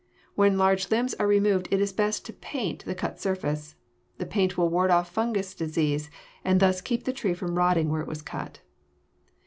When large limbs are removed it is best to paint the cut surface. The paint will ward off fungous disease and thus keep the tree from rotting where it was cut.